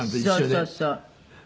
そうそうそう。